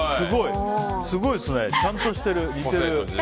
すごいっすね。ちゃんとしてる、似てる。